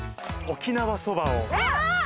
沖縄そば。